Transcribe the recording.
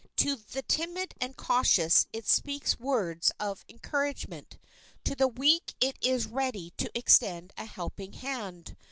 To the timid and cautious it speaks words of encouragement. To the weak it is ready to extend a helping hand.